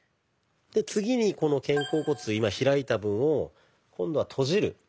で次にこの肩甲骨今開いた分を今度は閉じる。